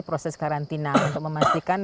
proses karantina untuk memastikan